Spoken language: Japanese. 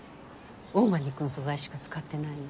オーガニックの素材しか使ってないの。